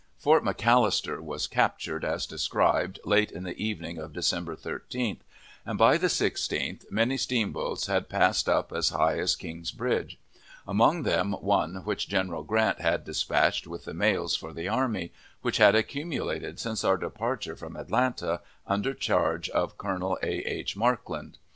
Fort McAllister was captured as described, late in the evening of December 13th, and by the 16th many steamboats had passed up as high as King's Bridge; among them one which General Grant had dispatched with the mails for the army, which had accumulated since our departure from Atlanta, under charge of Colonel A. H. Markland.